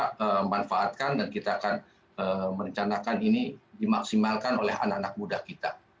kita manfaatkan dan kita akan merencanakan ini dimaksimalkan oleh anak anak muda kita